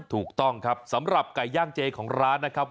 ถูกต้องครับสำหรับไก่ย่างเจของร้านนะครับ